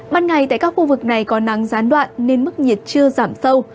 ban ngày tại các khu vực này có nắng gián đoạn nên mức nhiệt chưa giảm sâu